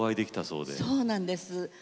そうなんです。